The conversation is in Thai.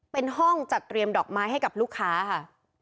เป็นห้องจัดเตรียมดอกไม้ให้กับลูกค้าค่ะ